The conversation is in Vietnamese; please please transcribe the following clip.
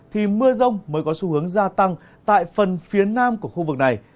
thì mưa rông mới có xu hướng gia tăng tại phần phía nam của khu vực này